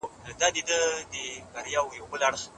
تصمیم نیول د بشپړو معلوماتو پرته خطرناک کار دی.